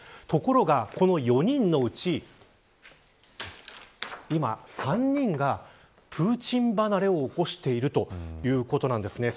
ところがこの４人のうち今３人が、プーチン離れを起こしているということです。